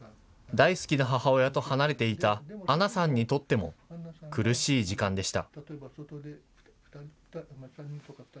大好きな母親と離れていたアナさんにとっても、苦しい時間でした。